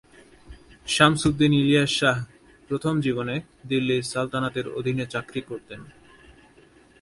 শামসুদ্দীন ইলিয়াস শাহ প্রথম জীবনে দিল্লির সালতানাতের অধীনে চাকরি করতেন।